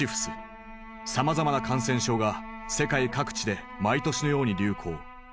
さまざまな感染症が世界各地で毎年のように流行。